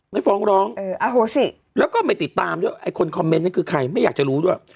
ไม่ฟ้องร้องแล้วก็ไม่ติดตามด้วยไอ้คนคอมเมนต์นั้นคือใครไม่อยากจะรู้ด้วย